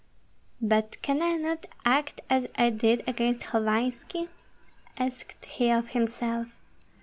"But can I not act as I did against Hovanski?" asked he of himself.